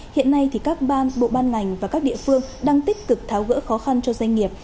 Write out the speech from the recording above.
hiện nay thì các ban bộ ban ngành và các địa phương đang tích cực tháo gỡ khó khăn cho doanh nghiệp